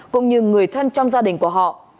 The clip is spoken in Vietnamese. cũng như người thân trong gia đình của họ